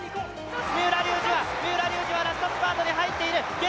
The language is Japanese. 三浦龍司はラストスパートに入っている！